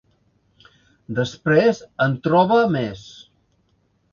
Després en troba més.